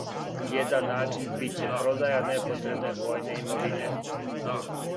Један начин биће продаја непотребне војне имовине.